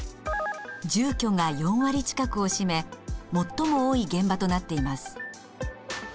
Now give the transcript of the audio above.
住居が４割近くを占め最も多い現場となっています。